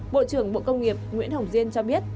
bộ trưởng bộ công nghiệp nguyễn hồng diên cho biết